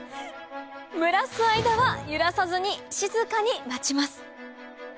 蒸らす間は揺らさずに静かに待ちます